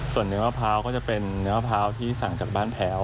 ส่วนเนื้อมะพร้าวก็จะเป็นเนื้อมะพร้าวที่สั่งจากบ้านแพ้ว